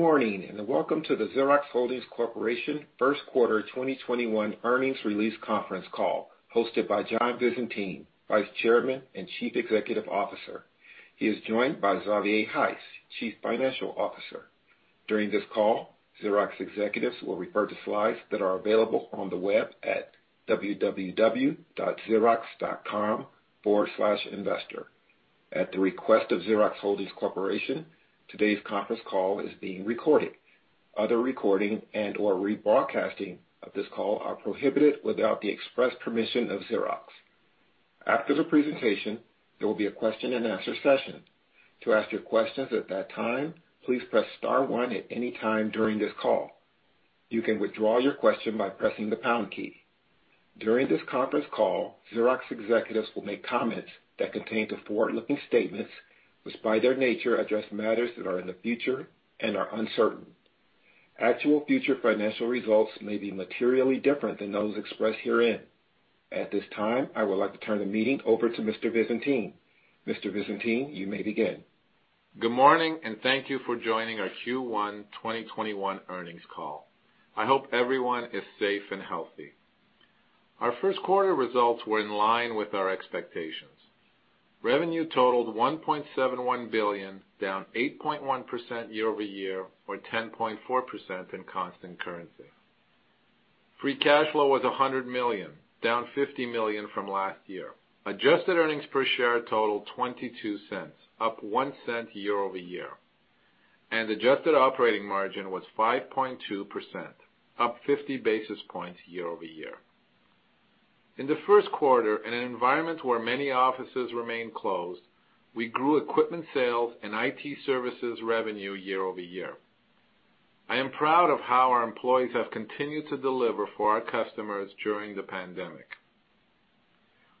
Good morning, welcome to the Xerox Holdings Corporation First Quarter 2021 Earnings Release Conference Call hosted by John Visentin, Vice Chairman and Chief Executive Officer. He is joined by Xavier Heiss, Chief Financial Officer. During this call, Xerox executives will refer to slides that are available on the web at www.xerox.com/investor. At the request of Xerox Holdings Corporation, today's conference call is being recorded. Other recording and/or rebroadcasting of this call are prohibited without the express permission of Xerox. After the presentation, there will be a question and answer session. To ask your questions at that time, please press star one at any time during this call. You can withdraw your question by pressing the pound key. During this conference call, Xerox executives will make comments that contain the forward-looking statements, which by their nature address matters that are in the future and are uncertain. Actual future financial results may be materially different than those expressed herein. At this time, I would like to turn the meeting over to Mr. Visentin. Mr. Visentin, you may begin. Good morning, and thank you for joining our Q1 2021 earnings call. I hope everyone is safe and healthy. Our first quarter results were in line with our expectations. Revenue totaled $1.71 billion, down 8.1% year-over-year, or 10.4% in constant currency. Free cash flow was $100 million, down $50 million from last year. Adjusted earnings per share totaled $0.22, up $0.01 year-over-year. Adjusted operating margin was 5.2%, up 50 basis points year-over-year. In the first quarter, in an environment where many offices remain closed, we grew equipment sales and IT services revenue year-over-year. I am proud of how our employees have continued to deliver for our customers during the pandemic.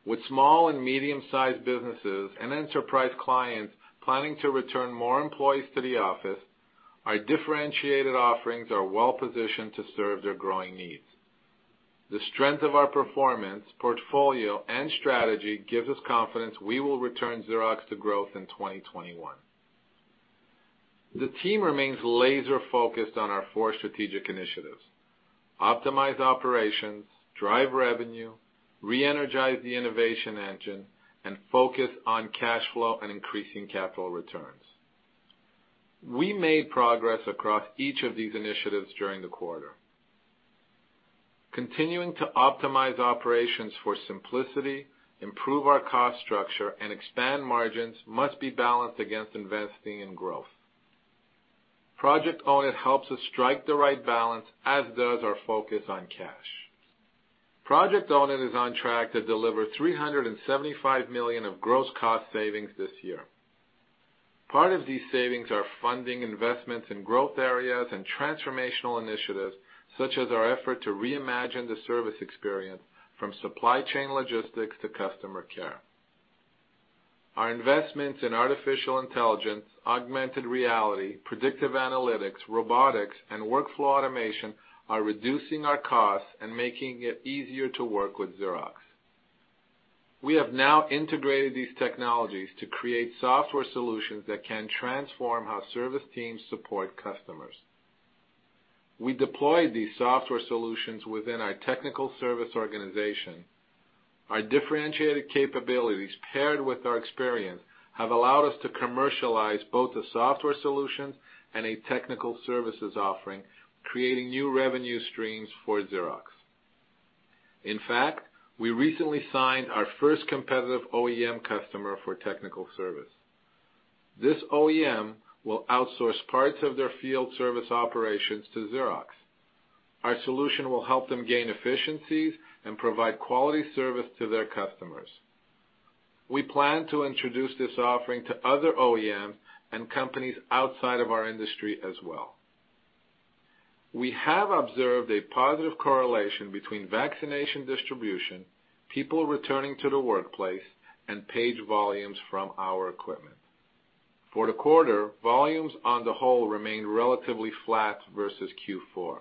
With small and medium-sized businesses and enterprise clients planning to return more employees to the office, our differentiated offerings are well-positioned to serve their growing needs. The strength of our performance, portfolio, and strategy gives us confidence we will return Xerox to growth in 2021. The team remains laser-focused on our four strategic initiatives: optimize operations, drive revenue, re-energize the innovation engine, and focus on cash flow and increasing capital returns. We made progress across each of these initiatives during the quarter. Continuing to optimize operations for simplicity, improve our cost structure, and expand margins must be balanced against investing in growth. Project Own It helps us strike the right balance, as does our focus on cash. Project Own It is on track to deliver $375 million of gross cost savings this year. Part of these savings are funding investments in growth areas and transformational initiatives, such as our effort to reimagine the service experience from supply chain logistics to customer care. Our investments in artificial intelligence, augmented reality, predictive analytics, robotics, and workflow automation are reducing our costs and making it easier to work with Xerox. We have now integrated these technologies to create software solutions that can transform how service teams support customers. We deployed these software solutions within our technical service organization. Our differentiated capabilities, paired with our experience, have allowed us to commercialize both the software solutions and a technical services offering, creating new revenue streams for Xerox. In fact, we recently signed our first competitive OEM customer for technical service. This OEM will outsource parts of their field service operations to Xerox. Our solution will help them gain efficiencies and provide quality service to their customers. We plan to introduce this offering to other OEMs and companies outside of our industry as well. We have observed a positive correlation between vaccination distribution, people returning to the workplace, and page volumes from our equipment. For the quarter, volumes on the whole remained relatively flat versus Q4.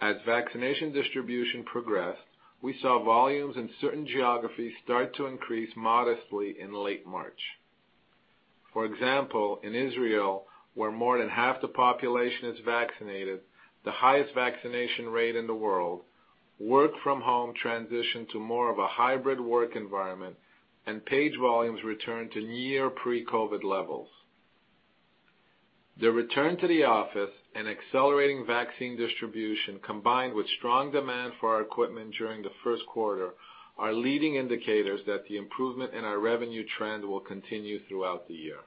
As vaccination distribution progressed, we saw volumes in certain geographies start to increase modestly in late March. For example, in Israel, where more than half the population is vaccinated, the highest vaccination rate in the world, work from home transitioned to more of a hybrid work environment and page volumes returned to near pre-COVID levels. The return to the office and accelerating vaccine distribution, combined with strong demand for our equipment during the first quarter, are leading indicators that the improvement in our revenue trend will continue throughout the year.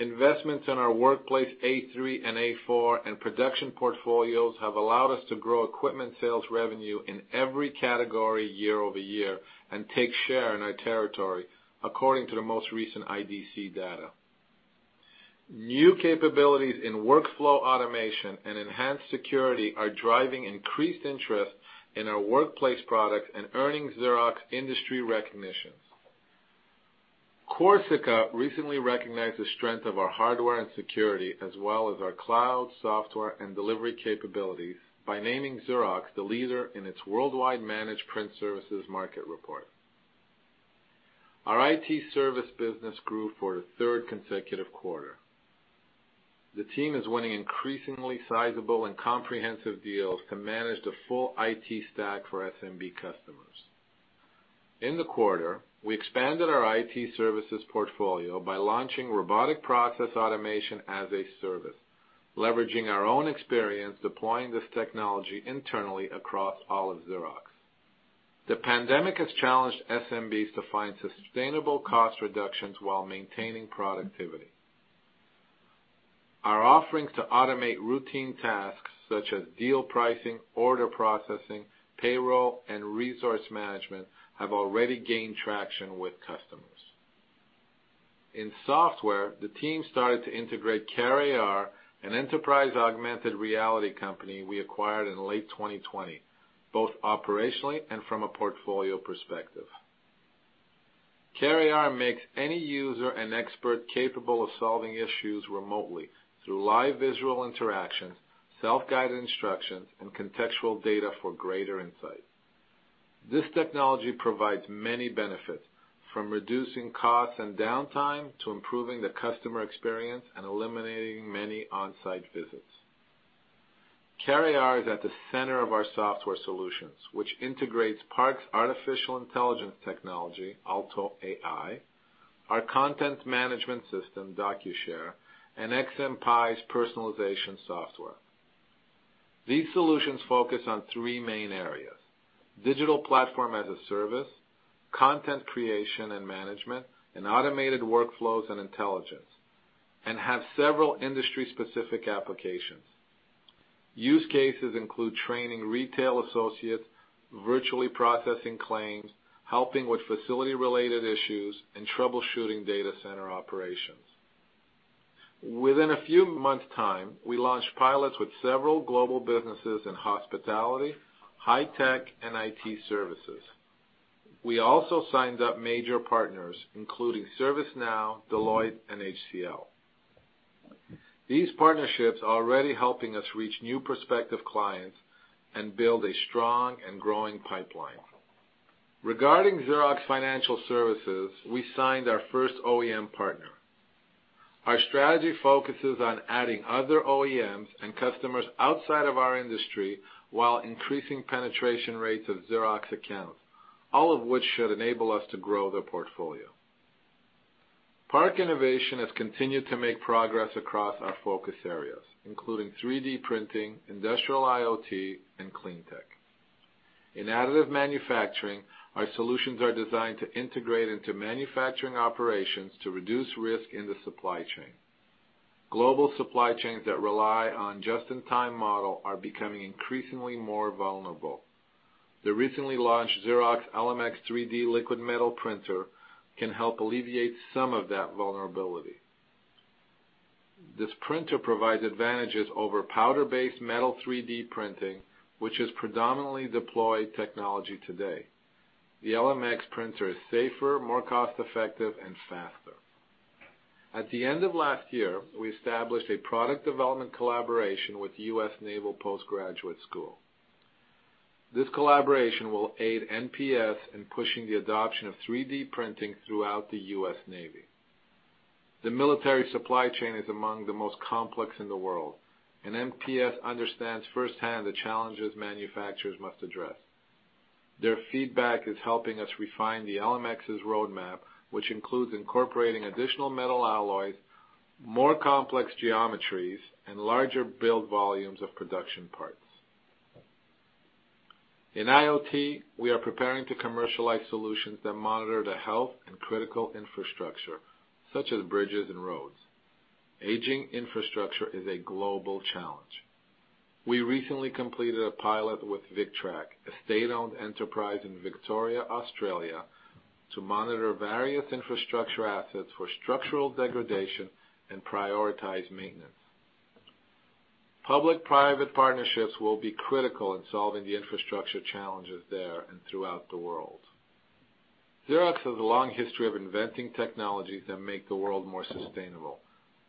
Investments in our workplace A3 and A4 and production portfolios have allowed us to grow equipment sales revenue in every category year-over-year and take share in our territory, according to the most recent IDC data. New capabilities in workflow automation and enhanced security are driving increased interest in our workplace products and earning Xerox industry recognitions. Quocirca recently recognized the strength of our hardware and security as well as our cloud software and delivery capabilities by naming Xerox the leader in its worldwide Managed Print Services market report. Our IT service business grew for a third consecutive quarter. The team is winning increasingly sizable and comprehensive deals to manage the full IT stack for SMB customers. In the quarter, we expanded our IT services portfolio by launching Robotic Process Automation as a service, leveraging our own experience deploying this technology internally across all of Xerox. The pandemic has challenged SMBs to find sustainable cost reductions while maintaining productivity. Our offerings to automate routine tasks such as deal pricing, order processing, payroll, and resource management have already gained traction with customers. In software, the team started to integrate CareAR, an enterprise augmented reality company we acquired in late 2020, both operationally and from a portfolio perspective. CareAR makes any user an expert capable of solving issues remotely through live visual interactions, self-guided instructions, and contextual data for greater insight. This technology provides many benefits, from reducing costs and downtime, to improving the customer experience and eliminating many on-site visits. CareAR is at the center of our software solutions, which integrates PARC's artificial intelligence technology, Alto AI, our content management system, DocuShare, and XMPie's personalization software. These solutions focus on three main areas, digital platform as a service, content creation and management, and automated workflows and intelligence, and have several industry-specific applications. Use cases include training retail associates, virtually processing claims, helping with facility-related issues, and troubleshooting data center operations. Within a few months' time, we launched pilots with several global businesses in hospitality, high tech, and IT services. We also signed up major partners, including ServiceNow, Deloitte, and HCL. These partnerships are already helping us reach new prospective clients and build a strong and growing pipeline. Regarding Xerox Financial Services, we signed our first OEM partner. Our strategy focuses on adding other OEMs and customers outside of our industry while increasing penetration rates of Xerox accounts, all of which should enable us to grow the portfolio. PARC Innovation has continued to make progress across our focus areas, including 3D printing, industrial IoT, and clean tech. In additive manufacturing, our solutions are designed to integrate into manufacturing operations to reduce risk in the supply chain. Global supply chains that rely on just-in-time model are becoming increasingly more vulnerable. The recently launched Xerox ElemX 3D liquid metal printer can help alleviate some of that vulnerability. This printer provides advantages over powder-based metal 3D printing, which is predominantly deployed technology today. The ElemX printer is safer, more cost-effective, and faster. At the end of last year, we established a product development collaboration with U.S. Naval Postgraduate School. This collaboration will aid NPS in pushing the adoption of 3D printing throughout the U.S. Navy. The military supply chain is among the most complex in the world. NPS understands firsthand the challenges manufacturers must address. Their feedback is helping us refine the ElemX's roadmap, which includes incorporating additional metal alloys, more complex geometries, and larger build volumes of production parts. In IoT, we are preparing to commercialize solutions that monitor the health and critical infrastructure, such as bridges and roads. Aging infrastructure is a global challenge. We recently completed a pilot with VicTrack, a state-owned enterprise in Victoria, Australia, to monitor various infrastructure assets for structural degradation and prioritize maintenance. Public-private partnerships will be critical in solving the infrastructure challenges there and throughout the world. Xerox has a long history of inventing technologies that make the world more sustainable,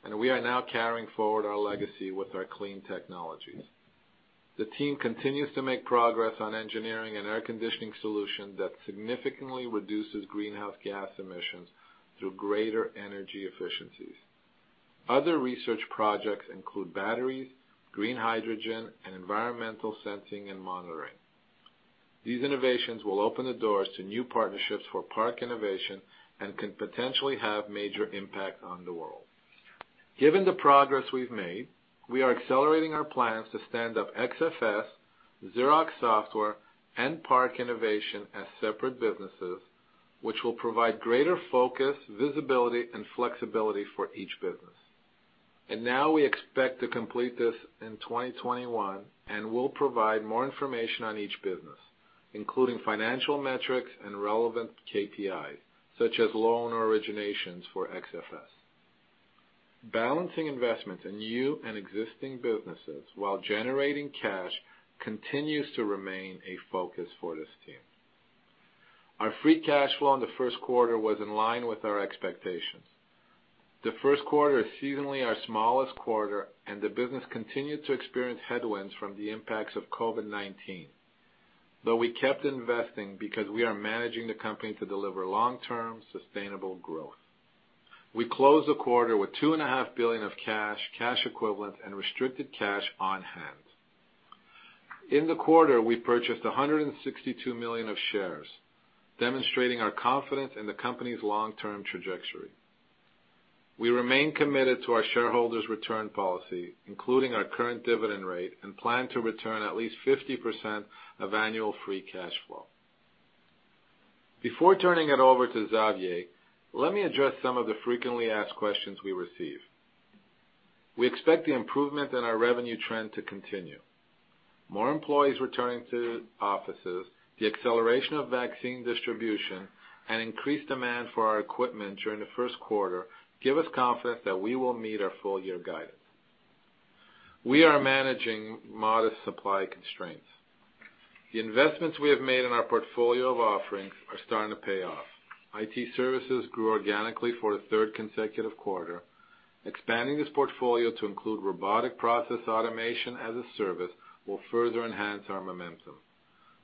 and we are now carrying forward our legacy with our clean technologies. The team continues to make progress on engineering an air conditioning solution that significantly reduces greenhouse gas emissions through greater energy efficiencies. Other research projects include batteries, green hydrogen, and environmental sensing and monitoring. These innovations will open the doors to new partnerships for PARC Innovation and can potentially have major impact on the world. Given the progress we've made, we are accelerating our plans to stand up XFS, Xerox Software, and PARC Innovation as separate businesses, which will provide greater focus, visibility, and flexibility for each business. Now we expect to complete this in 2021 and will provide more information on each business, including financial metrics and relevant KPIs, such as loan originations for XFS. Balancing investments in new and existing businesses while generating cash continues to remain a focus for this team. Our free cash flow in the first quarter was in line with our expectations. The first quarter is seasonally our smallest quarter, and the business continued to experience headwinds from the impacts of COVID-19. Though we kept investing because we are managing the company to deliver long-term sustainable growth. We closed the quarter with $2.5 billion of cash equivalents, and restricted cash on hand. In the quarter, we purchased 162 million of shares, demonstrating our confidence in the company's long-term trajectory. We remain committed to our shareholders' return policy, including our current dividend rate, and plan to return at least 50% of annual free cash flow. Before turning it over to Xavier, let me address some of the frequently asked questions we receive. We expect the improvement in our revenue trend to continue. More employees returning to offices, the acceleration of vaccine distribution, and increased demand for our equipment during the first quarter give us confidence that we will meet our full-year guidance. We are managing modest supply constraints. The investments we have made in our portfolio of offerings are starting to pay off. IT services grew organically for a third consecutive quarter. Expanding this portfolio to include Robotic Process Automation as a service will further enhance our momentum.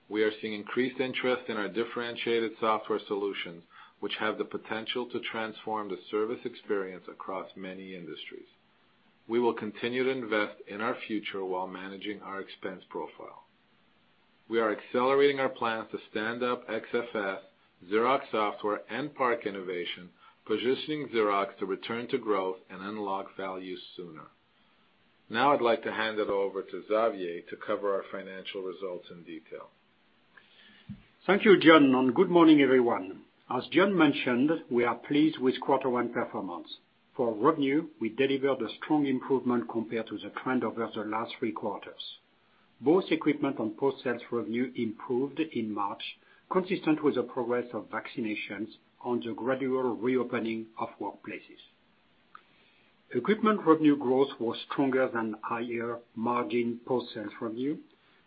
We are seeing increased interest in our differentiated software solutions, which have the potential to transform the service experience across many industries. We will continue to invest in our future while managing our expense profile. We are accelerating our plans to stand up XFS, Xerox Software, and PARC Innovation, positioning Xerox to return to growth and unlock value sooner. Now I'd like to hand it over to Xavier to cover our financial results in detail. Thank you, John, and good morning, everyone. As John mentioned, we are pleased with quarter one performance. For revenue, we delivered a strong improvement compared to the trend over the last three quarters. Both equipment and post-sales revenue improved in March, consistent with the progress of vaccinations on the gradual reopening of workplaces. Equipment revenue growth was stronger than higher margin post-sales revenue,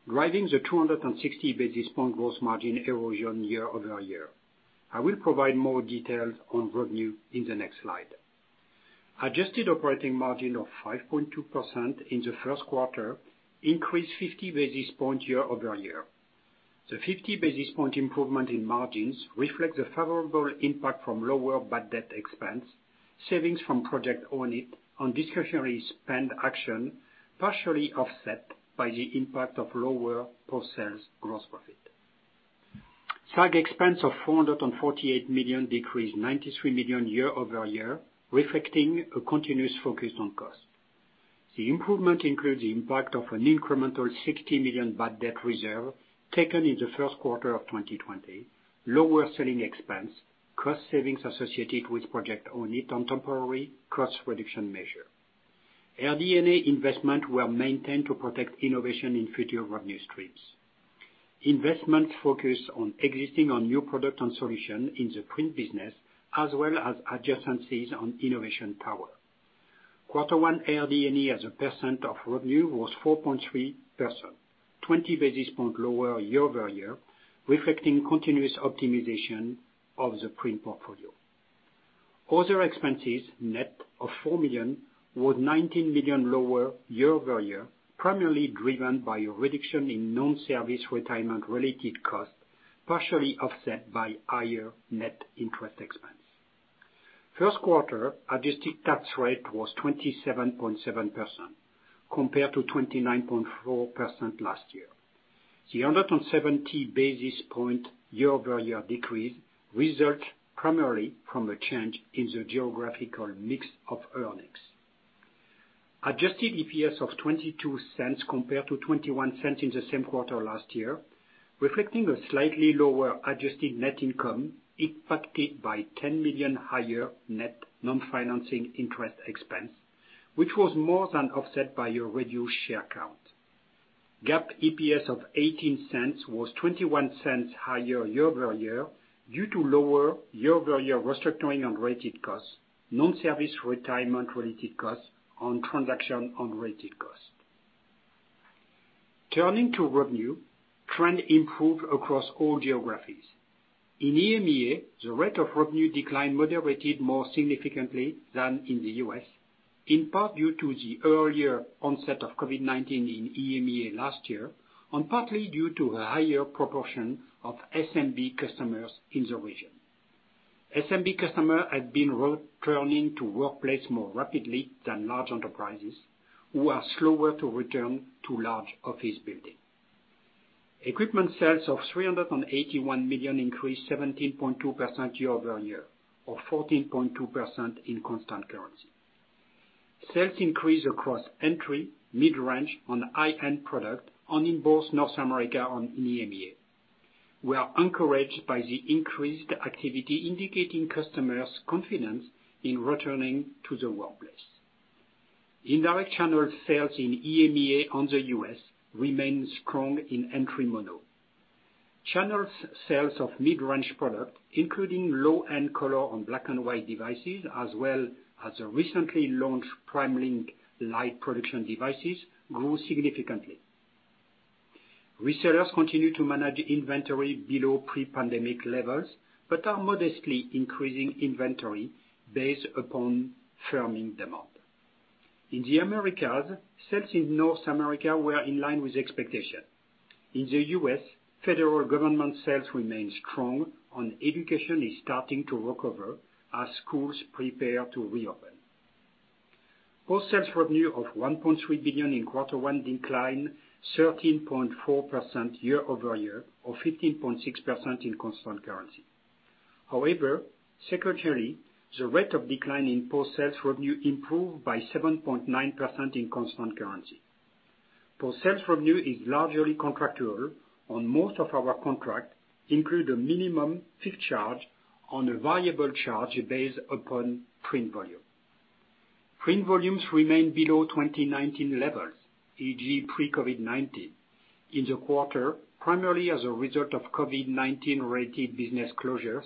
driving the 260 basis point gross margin erosion year-over-year. I will provide more details on revenue in the next slide. Adjusted operating margin of 5.2% in the first quarter increased 50 basis points year-over-year. The 50 basis point improvement in margins reflect the favorable impact from lower bad debt expense, savings from Project Own It, and discretionary spend action, partially offset by the impact of lower post-sales gross profit. SAG expense of $448 million decreased $93 million year-over-year, reflecting a continuous focus on cost. The improvement includes the impact of an incremental $60 million bad debt reserve taken in Q1 2020, lower selling expense, cost savings associated with Project Own It, and temporary cost reduction measures. RD&E investments were maintained to protect innovation in future revenue streams. Investments focused on existing or new products and solutions in the print business, as well as adjacencies on innovation power. Q1 RD&E as a percent of revenue was 4.3%, 20 basis points lower year-over-year, reflecting continuous optimization of the print portfolio. Other expenses, net of $4 million, were $19 million lower year-over-year, primarily driven by a reduction in non-service retirement-related costs, partially offset by higher net interest expense. Q1 adjusted tax rate was 27.7% compared to 29.4% last year. The 170 basis point year-over-year decrease result primarily from a change in the geographical mix of earnings. Adjusted EPS of $0.22 compared to $0.21 in the same quarter last year, reflecting a slightly lower adjusted net income impacted by $10 million higher net non-financing interest expense, which was more than offset by a reduced share count. GAAP EPS of $0.18 was $0.21 higher year-over-year due to lower year-over-year restructuring and related costs, non-service retirement-related costs, and transaction-related costs. Turning to revenue, trend improved across all geographies. In EMEA, the rate of revenue decline moderated more significantly than in the U.S., in part due to the earlier onset of COVID-19 in EMEA last year, and partly due to a higher proportion of SMB customers in the region. SMB customer has been returning to workplace more rapidly than large enterprises, who are slower to return to large office building. Equipment sales of $381 million increased 17.2% year-over-year or 14.2% in constant currency. Sales increased across entry, mid-range, and high-end product, and in both North America and in EMEA. We are encouraged by the increased activity, indicating customers' confidence in returning to the workplace. Indirect channel sales in EMEA and the U.S. remain strong in entry mono. Channels sales of mid-range product, including low-end color and black and white devices, as well as the recently launched PrimeLink light production devices, grew significantly. Resellers continue to manage inventory below pre-pandemic levels, but are modestly increasing inventory based upon firming demand. In the Americas, sales in North America were in line with expectation. In the U.S., federal government sales remain strong, and education is starting to recover as schools prepare to reopen. Post-sales revenue of $1.3 billion in Q1 declined 13.4% year-over-year, or 15.6% in constant currency. However, sequentially, the rate of decline in post-sales revenue improved by 7.9% in constant currency. Post-sales revenue is largely contractual, and most of our contract include a minimum fixed charge and a variable charge based upon print volume. Print volumes remain below 2019 levels, e.g., pre-COVID-19, in the quarter, primarily as a result of COVID-19-related business closures.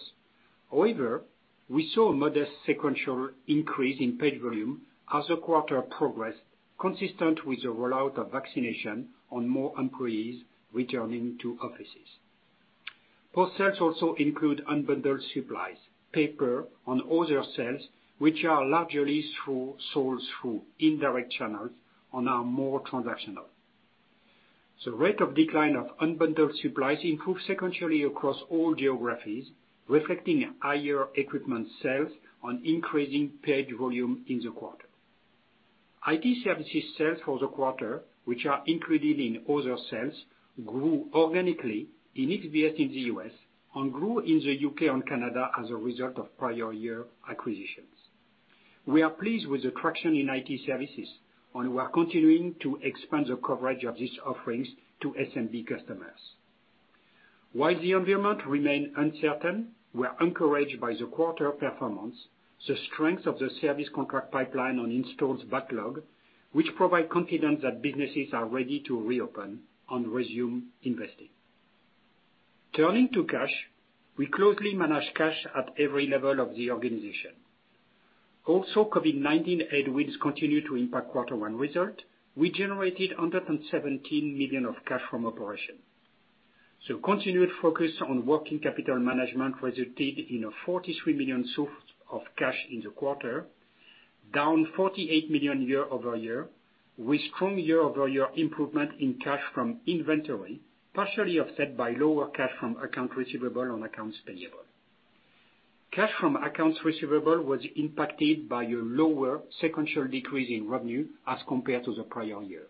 However, we saw a modest sequential increase in page volume as the quarter progressed, consistent with the rollout of vaccination on more employees returning to offices. Post-sales also include unbundled supplies, paper, and other sales, which are largely sold through indirect channels and are more transactional. The rate of decline of unbundled supplies improved sequentially across all geographies, reflecting higher equipment sales and increasing page volume in the quarter. IT services sales for the quarter, which are included in other sales, grew organically in XBS in the U.S. and grew in the U.K. and Canada as a result of prior year acquisitions. We are pleased with the traction in IT services, we are continuing to expand the coverage of these offerings to SMB customers. While the environment remain uncertain, we're encouraged by the quarter performance, the strength of the service contract pipeline and installs backlog, which provide confidence that businesses are ready to reopen and resume investing. Turning to cash, we closely manage cash at every level of the organization. COVID-19 headwinds continue to impact quarter one result. We generated $117 million of cash from operation. The continued focus on working capital management resulted in a $43 million source of cash in the quarter, down $48 million year-over-year, with strong year-over-year improvement in cash from inventory, partially offset by lower cash from accounts receivable and accounts payable. Cash from accounts receivable was impacted by a lower sequential decrease in revenue as compared to the prior year.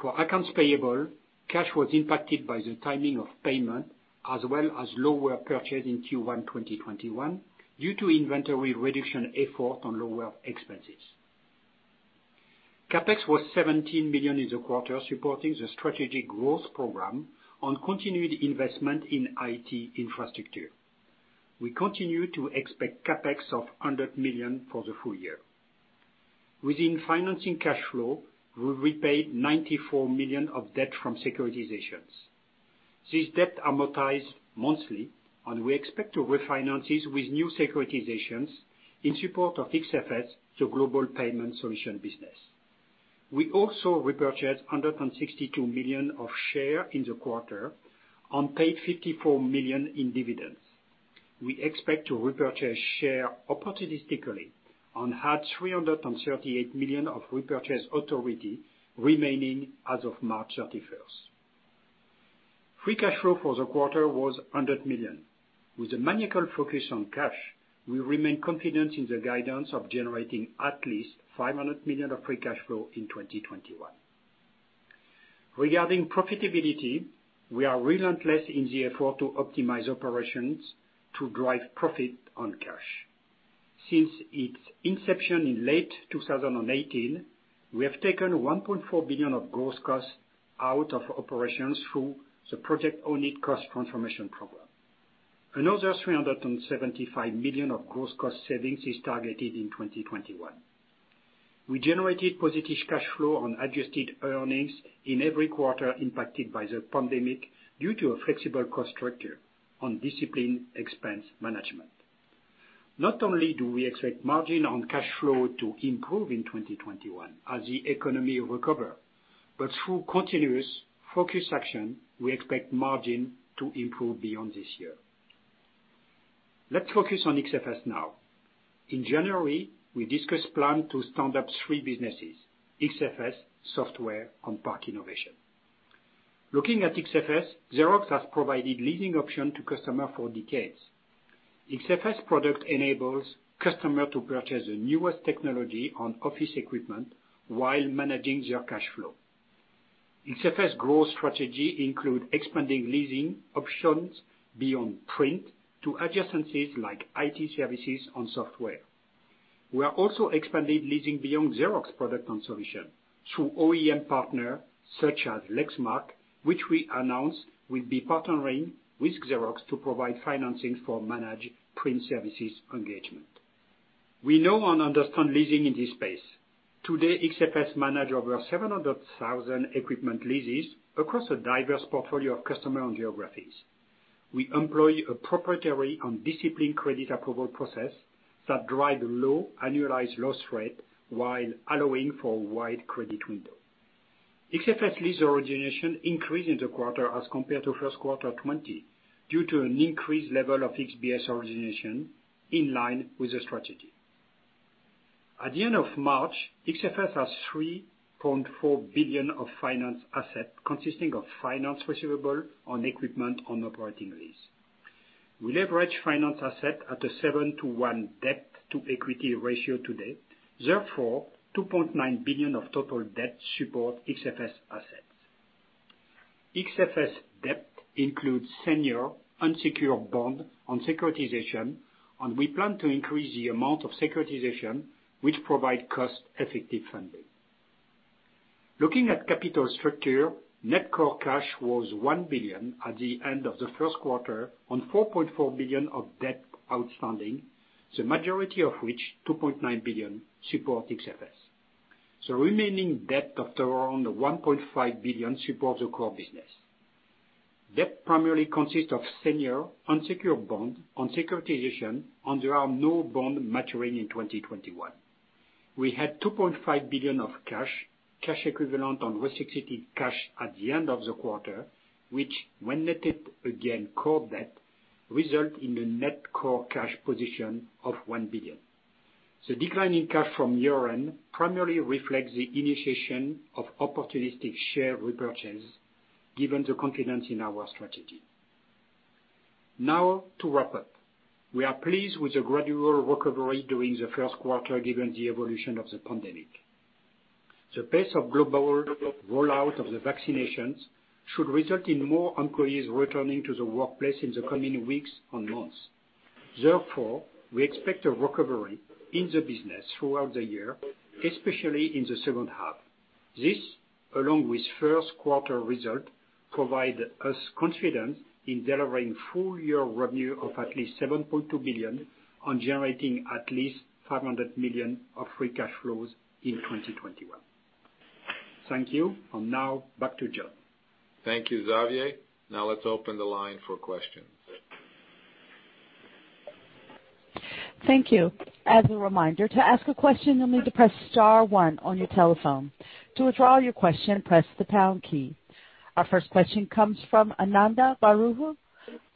For accounts payable, cash was impacted by the timing of payment as well as lower purchase in Q1 2021 due to inventory reduction effort on lower expenses. CapEx was $17 million in the quarter, supporting the strategic growth program and continued investment in IT infrastructure. We continue to expect CapEx of $100 million for the full year. Within financing cash flow, we repaid $94 million of debt from securitizations. This debt amortized monthly, and we expect to refinance it with new securitizations in support of XFS, the global payment solution business. We also repurchased $162 million of share in the quarter and paid $54 million in dividends. We expect to repurchase share opportunistically and had $338 million of repurchase authority remaining as of March 31st. Free cash flow for the quarter was $100 million. With a maniacal focus on cash, we remain confident in the guidance of generating at least $500 million of free cash flow in 2021. Regarding profitability, we are relentless in the effort to optimize operations to drive profit on cash. Since its inception in late 2018, we have taken $1.4 billion of gross costs out of operations through the Project Own It cost transformation program. Another $375 million of gross cost savings is targeted in 2021. We generated positive cash flow on adjusted earnings in every quarter impacted by the pandemic due to a flexible cost structure and disciplined expense management. Not only do we expect margin on cash flow to improve in 2021 as the economy recover, but through continuous focus action, we expect margin to improve beyond this year. Let's focus on XFS now. In January, we discussed plan to stand up three businesses, XFS, software, and PARC Innovation. Looking at XFS, Xerox has provided leasing option to customer for decades. XFS product enables customer to purchase the newest technology on office equipment while managing their cash flow. XFS growth strategy include expanding leasing options beyond print to adjacencies like IT services and software. We are also expanding leasing beyond Xerox product and solution through OEM partner such as Lexmark, which we announced will be partnering with Xerox to provide financing for Managed Print Services engagement. We know and understand leasing in this space. Today, XFS manage over 700,000 equipment leases across a diverse portfolio of customer and geographies. We employ a proprietary and disciplined credit approval process that drives low annualized loss rate while allowing for a wide credit window. XFS lease origination increased in the quarter as compared to first quarter 2020 due to an increased level of XBS origination in line with the strategy. At the end of March, XFS has $3.4 billion of finance assets consisting of finance receivable on equipment on operating lease. We leverage finance assets at a 7:1 debt to equity ratio today, therefore, $2.9 billion of total debt support XFS assets. XFS debt includes senior unsecured bond on securitization, we plan to increase the amount of securitization, which provide cost-effective funding. Looking at capital structure, net core cash was $1 billion at the end of the first quarter on $4.4 billion of debt outstanding, the majority of which, $2.9 billion, support XFS. The remaining debt of around $1.5 billion supports the core business. Debt primarily consists of senior unsecured bond on securitization, there are no bond maturing in 2021. We had $2.5 billion of cash equivalent on restricted cash at the end of the quarter, which when netted again core debt, result in a net core cash position of $1 billion. The decline in cash from year-end primarily reflects the initiation of opportunistic share repurchase given the confidence in our strategy. Now to wrap up. We are pleased with the gradual recovery during the first quarter given the evolution of the pandemic. The pace of global rollout of the vaccinations should result in more employees returning to the workplace in the coming weeks and months. Therefore, we expect a recovery in the business throughout the year, especially in the second half. This, along with first quarter result, provide us confidence in delivering full year revenue of at least $7.2 billion on generating at least $500 million of free cash flows in 2021. Thank you. Now back to John. Thank you, Xavier. Now let's open the line for questions. Thank you. As a reminder, to ask a question, you'll need to press star one on your telephone. To withdraw your question, press the pound key. Our first question comes from Ananda Baruah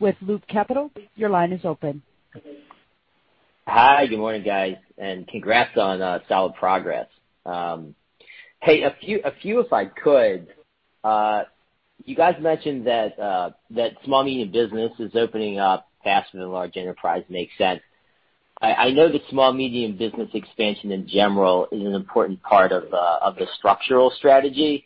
with Loop Capital. Your line is open. Hi. Good morning, guys, and congrats on solid progress. Hey, a few if I could. You guys mentioned that small medium business is opening up faster than large enterprise. Makes sense. I know the small medium business expansion in general is an important part of the structural strategy.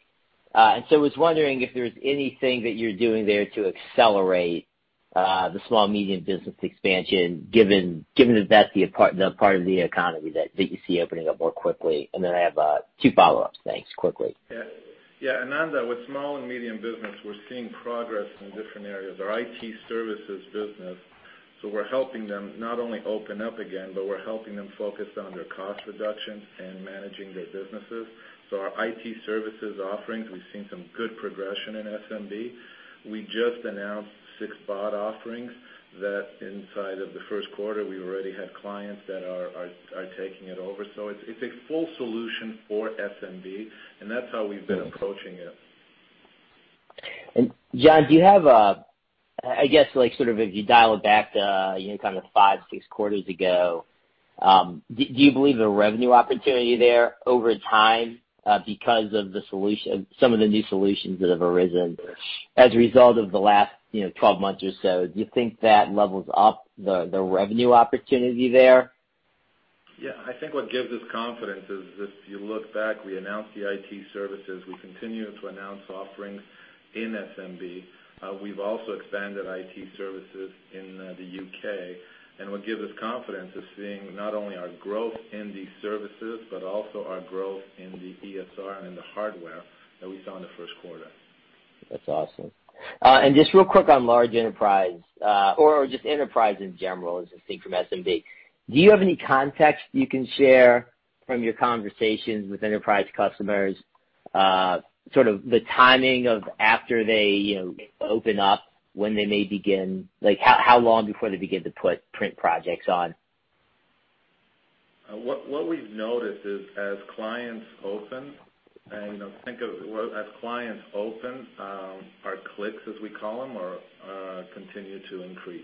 I was wondering if there's anything that you're doing there to accelerate the small medium business expansion, given that that's the part of the economy that you see opening up more quickly. Then I have two follow-ups. Thanks. Yeah, Ananda, with small and medium business, we're seeing progress in different areas. Our IT services business, so we're helping them not only open up again, but we're helping them focus on their cost reduction and managing their businesses. Our IT services offerings, we've seen some good progression in SMB. We just announced six bot offerings that inside of the first quarter we already have clients that are taking it over. It's a full solution for SMB, and that's how we've been approaching it. John, do you have a, I guess like sort of if you dial it back to five, six quarters ago, do you believe the revenue opportunity there over time because of some of the new solutions that have arisen as a result of the last 12 months or so? Do you think that levels up the revenue opportunity there? Yeah. I think what gives us confidence is if you look back, we announced the IT services. We continue to announce offerings in SMB. We've also expanded IT services in the U.K. What gives us confidence is seeing not only our growth in these services, but also our growth in the ESR and in the hardware that we saw in the first quarter. That's awesome. Just real quick on large enterprise, or just enterprise in general as a thing from SMB. Do you have any context you can share from your conversations with enterprise customers, sort of the timing of after they open up, when they may begin? How long before they begin to put print projects on? What we've noticed is as clients open, our clicks, as we call them, continue to increase.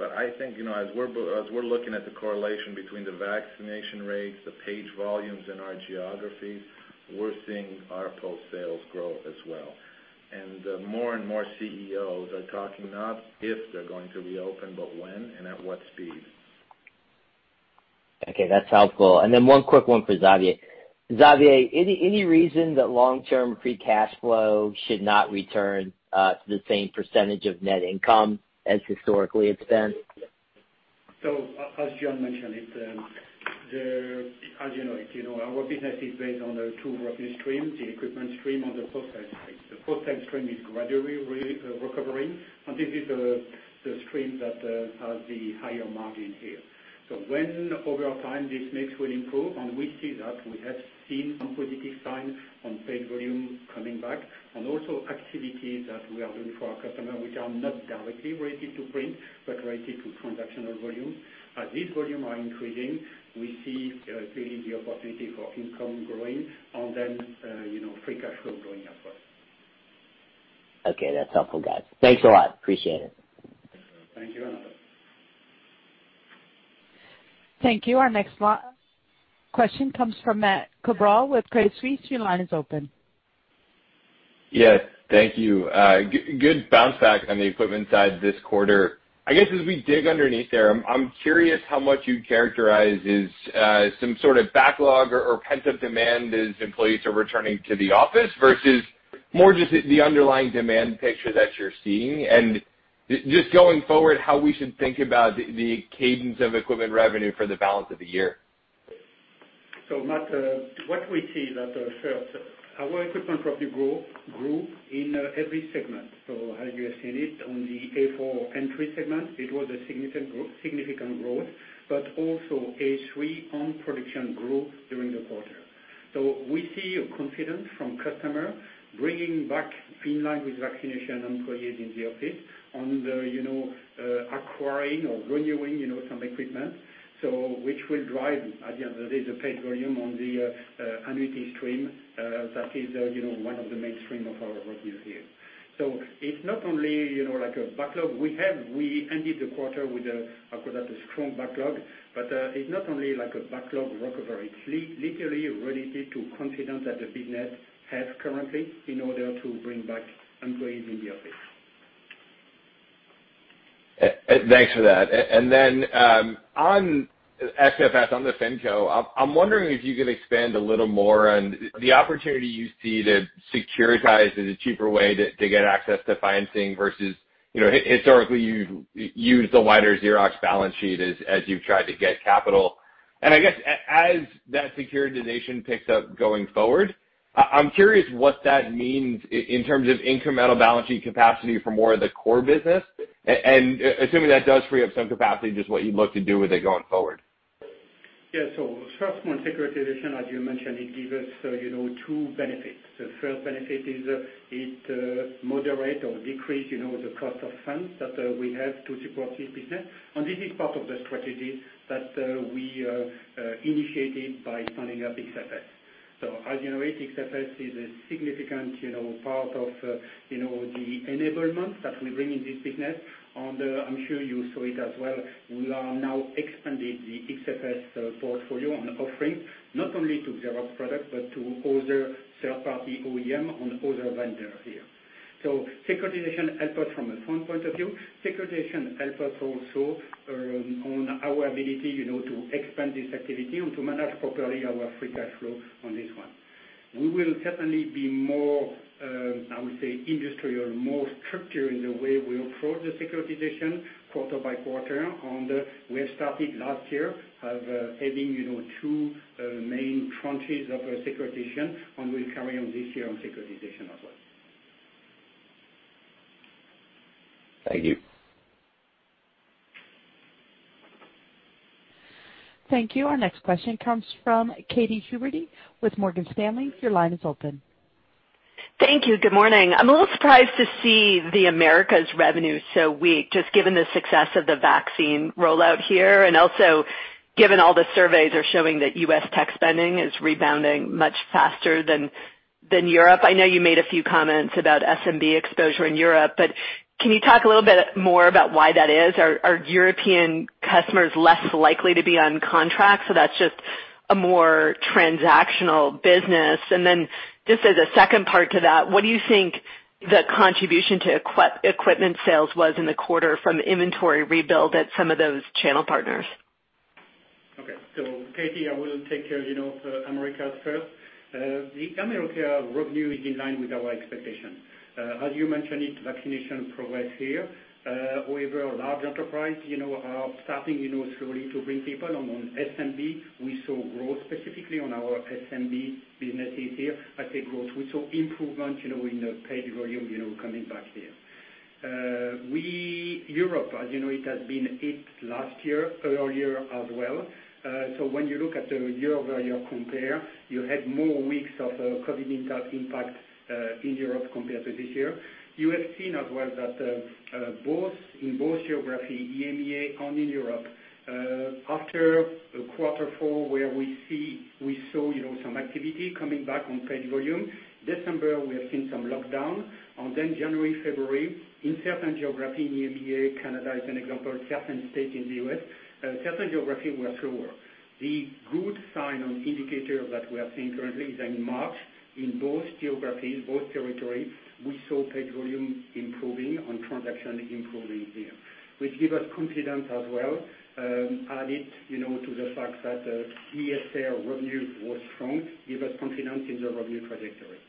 I think as we're looking at the correlation between the vaccination rates, the page volumes in our geographies, we're seeing our post-sales grow as well. More and more CEOs are talking not if they're going to reopen, but when and at what speed. Okay, that's helpful. One quick one for Xavier. Xavier, any reason that long-term free cash flow should not return to the same percentage of net income as historically it's been? As John mentioned, as you know it, our business is based on the two revenue streams, the equipment stream and the post-sales stream. The post-sales stream is gradually recovering, and this is a stream that has the higher margin here. When over time this mix will improve, and we see that we have seen some positive signs on paid volume coming back, and also activities that we are doing for our customer, which are not directly related to print, but related to transactional volume. As this volume are increasing, we see clearly the opportunity for income growing and then free cash flow growing as well. Okay, that's helpful, guys. Thanks a lot. Appreciate it. Thank you. Thank you. Our next question comes from Matt Cabral with Credit Suisse. Your line is open. Yes, thank you. Good bounce back on the equipment side this quarter. I guess as we dig underneath there, I'm curious how much you'd characterize is some sort of backlog or pent-up demand as employees are returning to the office versus more just the underlying demand picture that you're seeing. Just going forward, how we should think about the cadence of equipment revenue for the balance of the year. Matt, what we see that first, our equipment probably grew in every segment. As you have seen it on the A4 entry segment, it was a significant growth, but also A3 on production growth during the quarter. We see a confidence from customer bringing back in line with vaccination employees in the office on the acquiring or renewing some equipment. Which will drive, at the end of the day, the paid volume on the annuity stream, that is one of the mainstream of our reviews here. It's not only like a backlog. We ended the quarter with, I call that a strong backlog, but it's not only like a backlog recovery. It's literally related to confidence that the business has currently in order to bring back employees in the office. Thanks for that. Then, on XFS, on the FinCo, I'm wondering if you could expand a little more on the opportunity you see to securitize as a cheaper way to get access to financing versus, historically you've used the wider Xerox balance sheet as you've tried to get capital. I guess as that securitization picks up going forward, I'm curious what that means in terms of incremental balance sheet capacity for more of the core business. Assuming that does free up some capacity, just what you'd look to do with it going forward. Yeah. First one, securitization, as you mentioned, it give us two benefits. The first benefit is it moderate or decrease the cost of funds that we have to support this business. This is part of the strategy that we initiated by standing up XFS. As you know, XFS is a significant part of the enablement that we bring in this business. I'm sure you saw it as well, we are now expanded the XFS portfolio on offering not only to Xerox product, but to other third-party OEM and other vendor here. Securitization help us from a fund point of view. Securitization help us also on our ability to expand this activity and to manage properly our free cash flow on this one. We will certainly be more, I would say, industry or more structure in the way we approach the securitization quarter by quarter. We have started last year of having two main tranches of securitization and we'll carry on this year on securitization as well. Thank you. Thank you. Our next question comes from Katy Huberty with Morgan Stanley. Your line is open. Thank you. Good morning. I'm a little surprised to see the Americas revenue so weak, just given the success of the vaccine rollout here, and also given all the surveys are showing that U.S. tech spending is rebounding much faster than Europe. I know you made a few comments about SMB exposure in Europe. Can you talk a little bit more about why that is? Are European customers less likely to be on contract, so that's just a more transactional business? Just as a second part to that, what do you think the contribution to equipment sales was in the quarter from inventory rebuild at some of those channel partners? Katy, I will take care of Americas first. The America revenue is in line with our expectation. As you mentioned it, vaccination progress here. Large enterprise are starting slowly to bring people on SMB. We saw growth specifically on our SMB businesses here. I said growth, we saw improvement in the paid volume coming back here. Europe, as you know it has been hit last year, earlier as well. When you look at the year-over-year compare, you had more weeks of COVID impact in Europe compared to this year. You have seen as well that in both geography, EMEA and in Europe, after quarter four where we saw some activity coming back on paid volume, December we have seen some lockdown. January, February in certain geography, EMEA, Canada as an example, certain state in the U.S., certain geography were slower. The good sign on indicator that we are seeing currently is that in March, in both geographies, both territories, we saw paid volume improving and transaction improving here, which give us confidence as well. Add it to the fact that ESR revenue was strong, give us confidence in the revenue trajectory.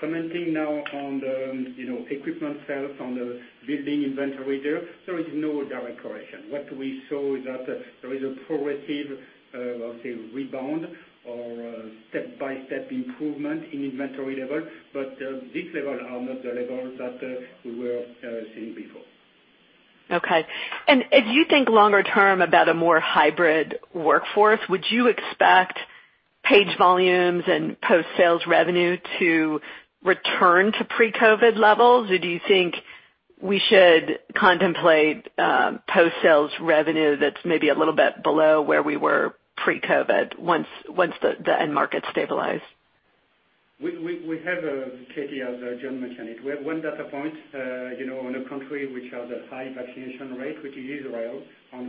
Commenting now on the equipment sales on the building inventory there is no direct correlation. What we saw is that there is a progressive, I would say, rebound or step-by-step improvement in inventory level, but these level are not the level that we were seeing before. Okay. If you think longer term about a more hybrid workforce, would you expect page volumes and post-sales revenue to return to pre-COVID levels? Do you think we should contemplate post-sales revenue that's maybe a little bit below where we were pre-COVID once the end market stabilize? We have, Katy, as John mentioned it, we have one data point in a country which has a high vaccination rate, which is Israel.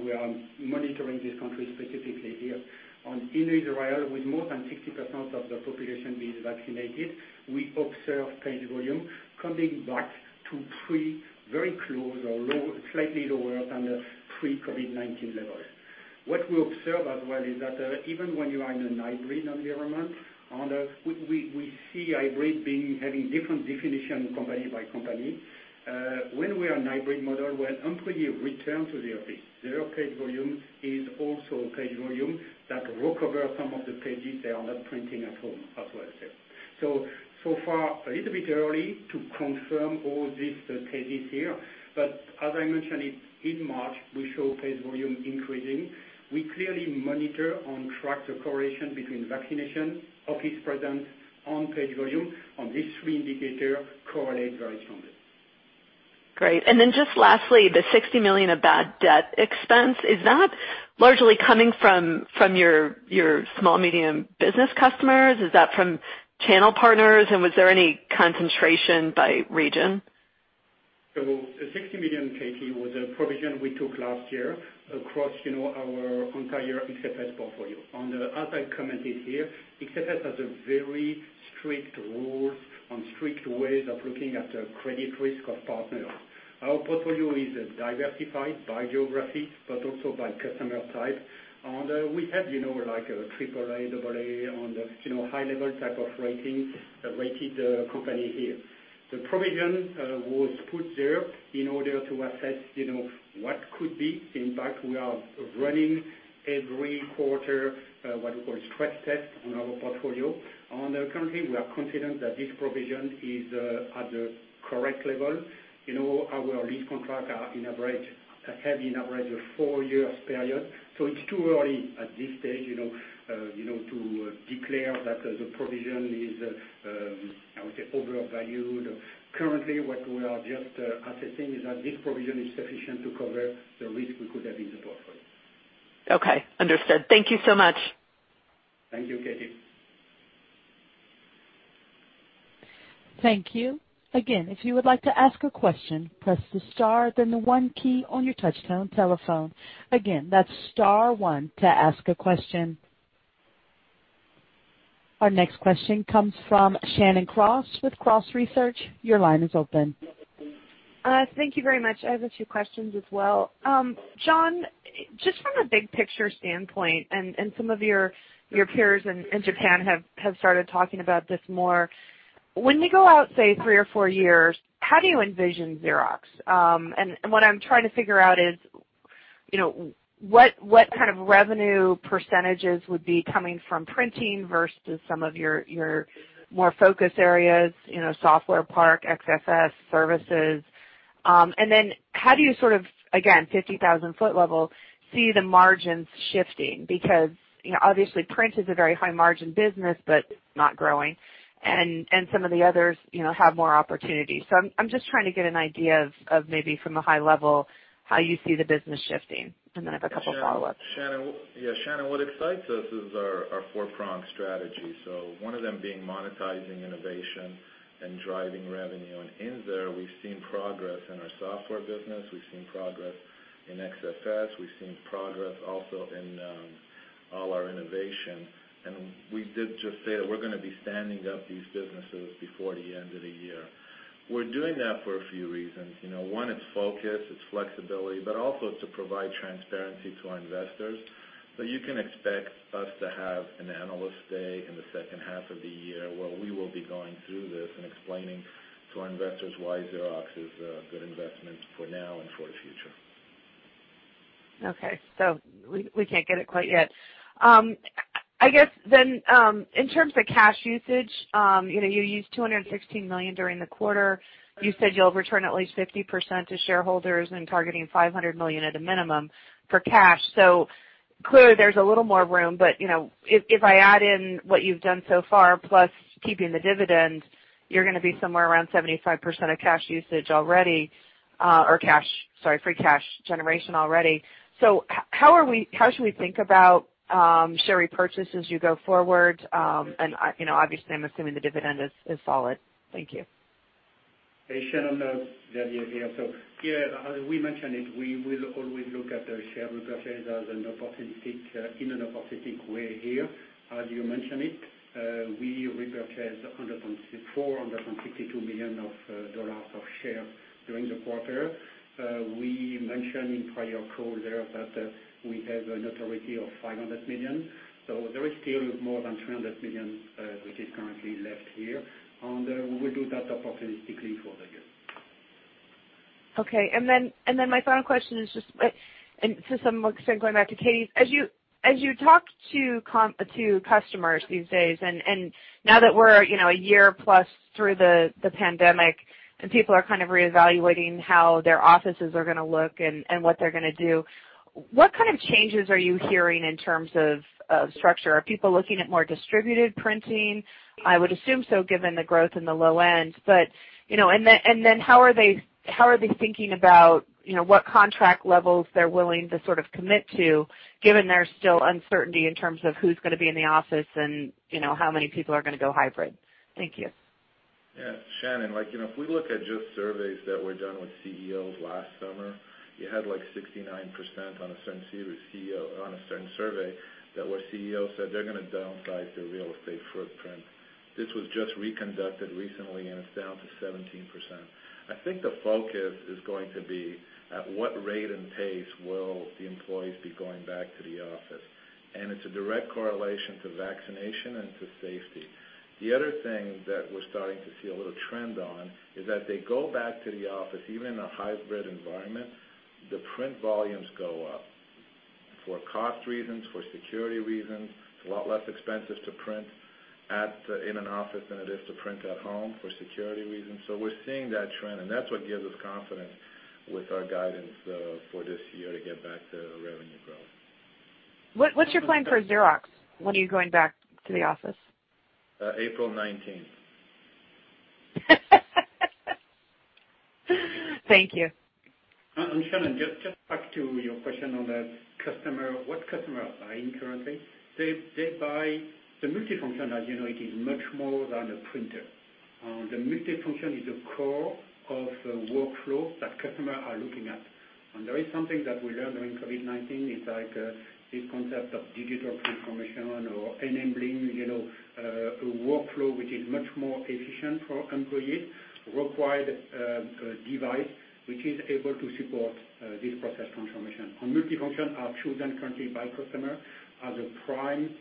We are monitoring this country specifically here. In Israel, with more than 60% of the population being vaccinated, we observe page volume coming back to very close or slightly lower than the pre-COVID-19 levels. What we observe as well is that even when you are in a hybrid environment. We see hybrid having different definition company by company. When we are in hybrid model, when employee return to the office, their page volume is also a page volume that recover some of the pages they are not printing at home as well. So far, a little bit early to confirm all these cases here. As I mentioned it, in March, we show page volume increasing. We clearly monitor and track the correlation between vaccination, office presence, and page volume, and these three indicator correlate very strongly. Great. Just lastly, the $60 million of bad debt expense, is that largely coming from your small, medium business customers? Is that from channel partners? Was there any concentration by region? The $60 million, Katy, was a provision we took last year across our entire XFS portfolio. As I commented here, XFS has a very strict rules and strict ways of looking at the credit risk of partners. Our portfolio is diversified by geography, but also by customer type. We have like a AAA, AA on the high-level type of rated company here. The provision was put there in order to assess what could be impact. We are running every quarter, what we call a stress test on our portfolio. Currently, we are confident that this provision is at the correct level. Our lease contract have an average of four years period. It's too early at this stage to declare that the provision is, I would say, overvalued. Currently, what we are just assessing is that this provision is sufficient to cover the risk we could have in the portfolio. Okay. Understood. Thank you so much. Thank you, Katy. Thank you. Again, if you would like to ask a question, press the star, then the one key on your touchtone telephone. Again, that's star one to ask a question. Our next question comes from Shannon Cross with Cross Research. Your line is open. Thank you very much. I have a few questions as well. John, just from a big picture standpoint, some of your peers in Japan have started talking about this more. When you go out, say, three or four years, how do you envision Xerox? What I'm trying to figure out is what kind of revenue percentages would be coming from printing versus some of your more focus areas, Software, PARC, XFS, services. How do you sort of, again, 50,000-ft level, see the margins shifting? Obviously print is a very high margin business, but not growing. Some of the others have more opportunities. I'm just trying to get an idea of maybe from a high level, how you see the business shifting. I have a couple follow-ups. Shannon, what excites us is our four-pronged strategy. One of them being monetizing innovation and driving revenue. In there, we've seen progress in our software business. We've seen progress in XFS. We've seen progress also in all our innovation. We did just say that we're going to be standing up these businesses before the end of the year. We're doing that for a few reasons. One, it's focus, it's flexibility, but also to provide transparency to our investors. You can expect us to have an Analyst Day in the second half of the year where we will be going through this and explaining to our investors why Xerox is a good investment for now and for the future. Okay. We can't get it quite yet. I guess in terms of cash usage, you used $216 million during the quarter. You said you'll return at least 50% to shareholders and targeting $500 million at a minimum for cash. Clearly there's a little more room, but if I add in what you've done so far, plus keeping the dividend, you're going to be somewhere around 75% of cash usage already, or cash, sorry, free cash generation already. How should we think about share repurchase as you go forward? Obviously I'm assuming the dividend is solid. Thank you. Hey, Shannon. Xavier here. Yeah, as we mentioned it, we will always look at the share repurchase in an opportunistic way here. As you mentioned it, we repurchased [$164 million of the $462 million] of share during the quarter. We mentioned in prior calls there that we have an authority of $500 million. There is still more than $300 million which is currently left here. We will do that opportunistically for the year. Okay. My final question is just, and to some extent going back to Katy's, as you talk to customers these days, and now that we're a year plus through the pandemic, and people are kind of reevaluating how their offices are going to look and what they're going to do, what kind of changes are you hearing in terms of structure? Are people looking at more distributed printing? I would assume so, given the growth in the low end. How are they thinking about what contract levels they're willing to sort of commit to, given there's still uncertainty in terms of who's going to be in the office and how many people are going to go hybrid? Thank you. Shannon, if we look at just surveys that were done with CEOs last summer, you had like 69% on a certain survey that where CEOs said they're going to downsize their real estate footprint. This was just reconducted recently, it's down to 17%. I think the focus is going to be at what rate and pace will the employees be going back to the office. It's a direct correlation to vaccination and to safety. The other thing that we're starting to see a little trend on is that they go back to the office, even in a hybrid environment, the print volumes go up for cost reasons, for security reasons. It's a lot less expensive to print in an office than it is to print at home for security reasons. We're seeing that trend, and that's what gives us confidence with our guidance for this year to get back to revenue growth. What's your plan for Xerox? When are you going back to the office? April 19th. Thank you. Shannon, just back to your question on what customers are buying currently. They buy the multifunction, as you know, it is much more than a printer. The multifunction is the core of the workflow that customers are looking at. There is something that we learned during COVID-19, it's like this concept of digital transformation or enabling a workflow which is much more efficient for employees, required a device which is able to support this process transformation. Multifunction are chosen currently by customer as a prime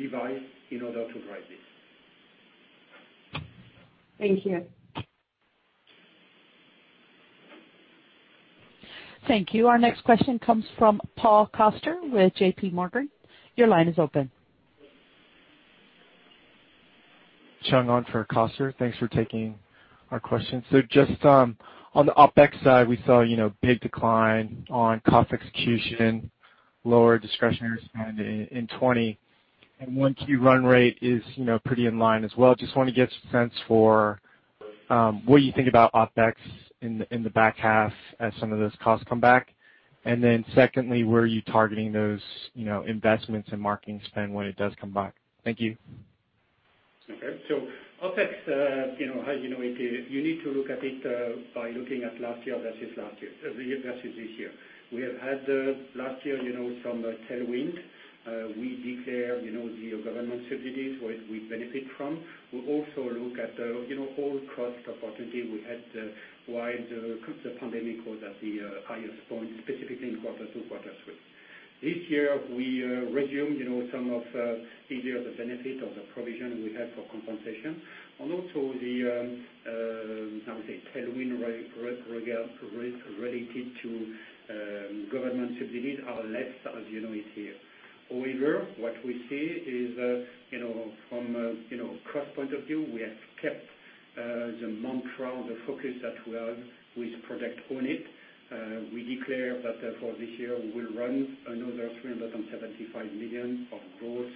device in order to drive this. Thank you. Thank you. Our next question comes from Paul Coster with JPMorgan. Your line is open. Chung on for Coster. Thanks for taking our question. Just on the OpEx side, we saw big decline on cost execution, lower discretionary spend in 2020, and 1Q run rate is pretty in line as well. Just want to get a sense for what you think about OpEx in the back half as some of those costs come back. Secondly, where are you targeting those investments in marketing spend when it does come back? Thank you. Okay. OpEx, you need to look at it by looking at last year versus this year. We have had last year some tailwind. We declare the government subsidies, which we benefit from. We also look at all cost opportunity we had while the pandemic was at the highest point, specifically in quarter two, quarter three. This year, we resume some of either the benefit of the provision we have for compensation, and also the, how to say, tailwind risk related to government subsidies are less as you know it here. However, what we see is from a cost point of view, we have kept the mantra, the focus that we have with Project Own It. We declare that for this year, we will run another $375 million of gross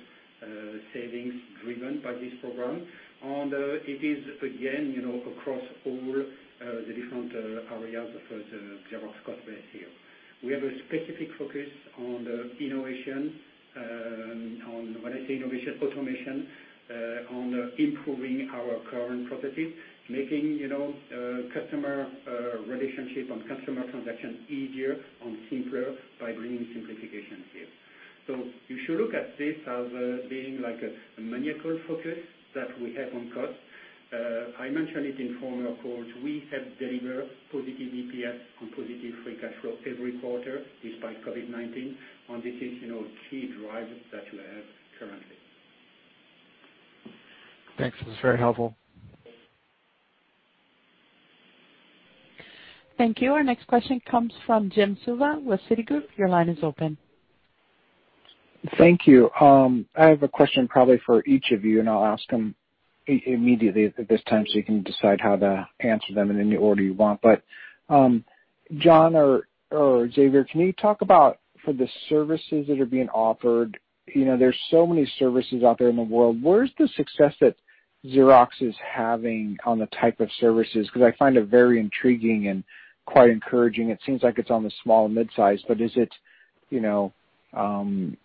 savings driven by this program. It is again across all the different areas of the Xerox cost base here. We have a specific focus on the innovation, on, when I say innovation, automation, on improving our current processes, making customer relationship and customer transaction easier and simpler by bringing simplifications here. You should look at this as being like a maniacal focus that we have on cost. I mentioned it in former calls. We have delivered positive EPS and positive free cash flow every quarter despite COVID-19, this is key driver that we have currently. Thanks. This was very helpful. Thank you. Our next question comes from Jim Suva with Citigroup. Your line is open. Thank you. I have a question probably for each of you, and I'll ask them immediately at this time, so you can decide how to answer them in any order you want. John or Xavier, can you talk about for the services that are being offered, there's so many services out there in the world. Where's the success that Xerox is having on the type of services? I find it very intriguing and quite encouraging. It seems like it's on the small and mid-size, is it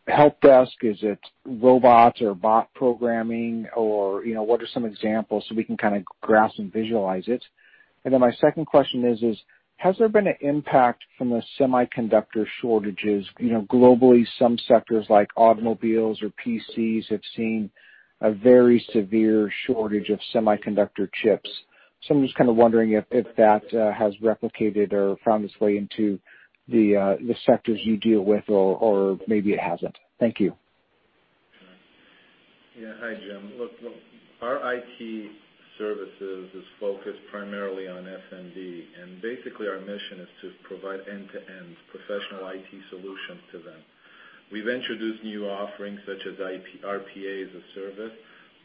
help desk? Is it robots or bot programming? What are some examples so we can kind of grasp and visualize it? My second question is, has there been an impact from the semiconductor shortages? Globally, some sectors like automobiles or PCs have seen a very severe shortage of semiconductor chips. I'm just kind of wondering if that has replicated or found its way into the sectors you deal with, or maybe it hasn't. Thank you. Yeah. Hi, Jim. Look, our IT services is focused primarily on SMB. Basically, our mission is to provide end-to-end professional IT solutions to them. We've introduced new offerings such as RPA as a service.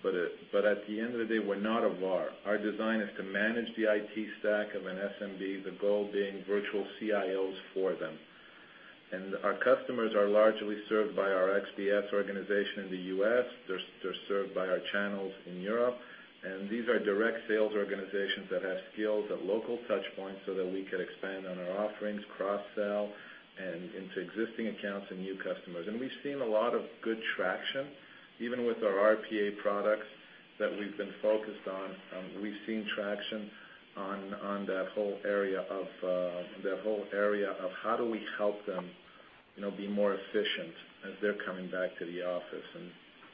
At the end of the day, we're not a VAR. Our design is to manage the IT stack of an SMB, the goal being virtual CIOs for them. Our customers are largely served by our XBS organization in the U.S. They're served by our channels in Europe. These are direct sales organizations that have skills at local touchpoints so that we can expand on our offerings, cross-sell, and into existing accounts and new customers. We've seen a lot of good traction, even with our RPA products that we've been focused on. We've seen traction on that whole area of how do we help them be more efficient as they're coming back to the office.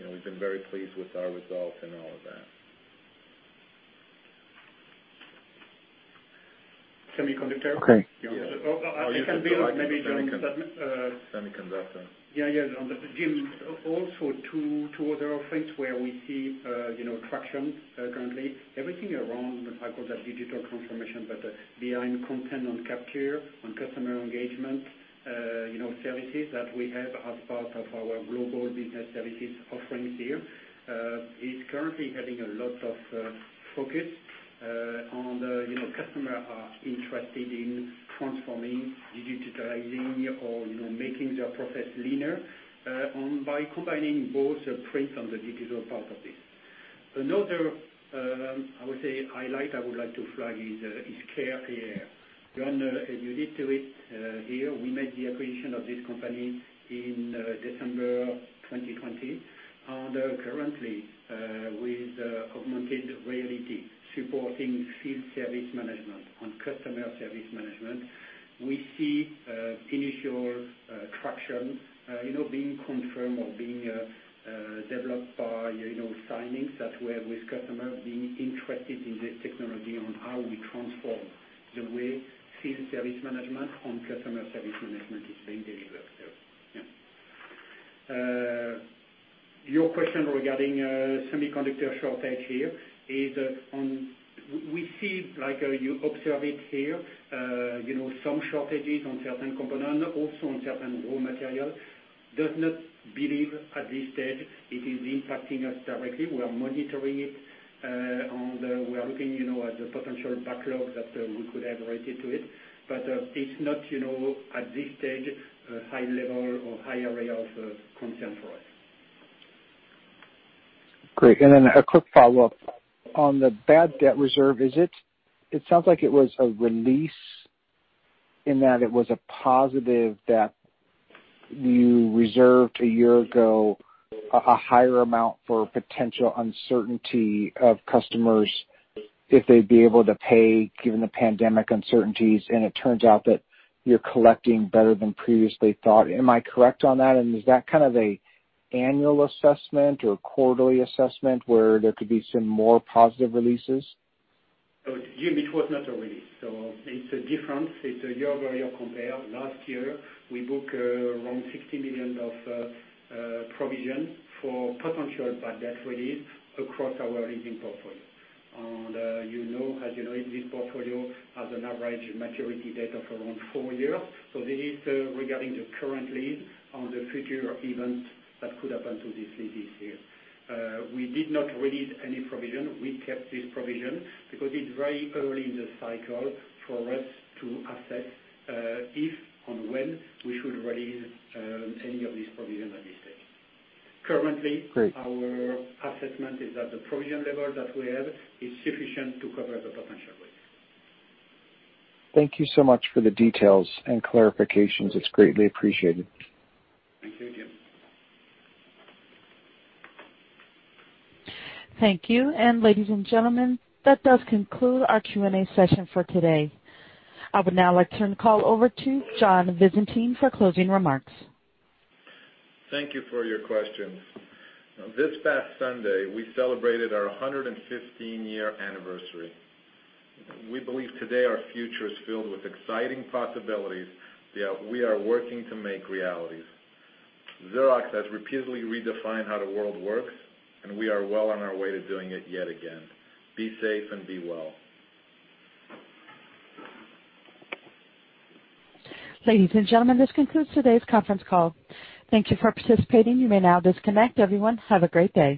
We've been very pleased with our results and all of that. Semiconductor? Okay. It can be maybe during the- Semiconductor. Yeah. Jim, also two other offerings where we see traction currently. Everything around, I call that digital transformation, but behind content on capture, on customer engagement services that we have as part of our Global Business Services offerings here, is currently having a lot of focus on the customers are interested in transforming, digitalizing, or making their process leaner by combining both the print and the digital part of this. Another, I would say, highlight I would like to flag is CareAR. John, you did do it here. We made the acquisition of this company in December 2020. Currently, with augmented reality supporting field service management and customer service management, we see initial traction being confirmed or being developed by signings that we have with customers being interested in this technology on how we transform the way field service management and customer service management is being delivered. Yeah. Your question regarding semiconductor shortage here is on, we see, like you observe it here, some shortages on certain component, also on certain raw material. We do not believe at this stage it is impacting us directly. We are monitoring it, and we are looking at the potential backlog that we could have related to it. It's not, at this stage, a high level or high area of concern for us. Great. A quick follow-up. On the bad debt reserve, it sounds like it was a release in that it was a positive that you reserved a year ago a higher amount for potential uncertainty of customers if they'd be able to pay, given the pandemic uncertainties. It turns out that you're collecting better than previously thought. Am I correct on that? Is that kind of a annual assessment or quarterly assessment where there could be some more positive releases? Jim, it was not a release. It's a difference. It's a year-over-year compare. Last year, we book around $60 million of provision for potential bad debt release across our leasing portfolio. As you know, this portfolio has an average maturity date of around four years. This is regarding the current lease on the future event that could happen to this lease this year. We did not release any provision. We kept this provision because it's very early in the cycle for us to assess if and when we should release any of this provision at this stage. Great our assessment is that the provision level that we have is sufficient to cover the potential risk. Thank you so much for the details and clarifications. It's greatly appreciated. Thank you, Jim. Thank you. Ladies and gentlemen, that does conclude our Q&A session for today. I would now like to turn the call over to John Visentin for closing remarks. Thank you for your questions. This past Sunday, we celebrated our 115-year anniversary. We believe today our future is filled with exciting possibilities that we are working to make realities. Xerox has repeatedly redefined how the world works, and we are well on our way to doing it yet again. Be safe and be well. Ladies and gentlemen, this concludes today's conference call. Thank you for participating. You may now disconnect. Everyone, have a great day.